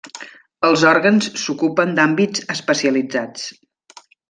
Els òrgans s'ocupen d'àmbits especialitzats.